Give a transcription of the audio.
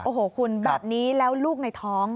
โอ้โหคุณแบบนี้แล้วลูกในท้อง